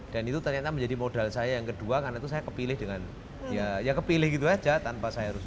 dan itu ternyata menjadi modal saya yang kedua karena itu saya kepilih dengan ya kepilih gitu saja tanpa saya harus